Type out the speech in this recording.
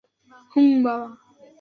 হুম, বাবা।